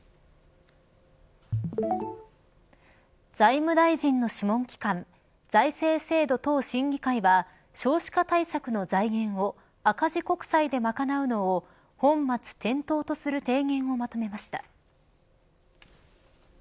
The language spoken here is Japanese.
財務大臣の諮問機関財政制度等審議会は少子化対策の財源を赤字国債で賄うのを本末転倒とする提言をまとめました。